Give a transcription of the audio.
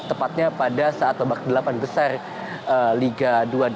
tepatnya pada saat pebak delapan besar liga dua dua ribu delapan belas